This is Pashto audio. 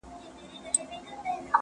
صوفي مخ پر دروازه باندي روان سو،